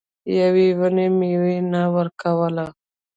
یوې ونې میوه نه ورکوله.